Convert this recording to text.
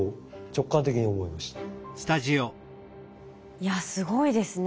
いやすごいですね。